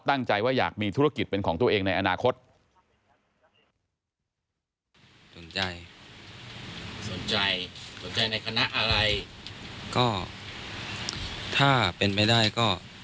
ถ้าเป็นไปได้ก็